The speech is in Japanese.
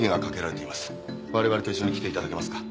我々と一緒に来て頂けますか？